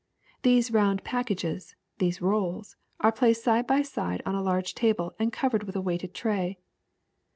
These round packages, these rolls, are placed side by side on a large table and covered with a weighted tray.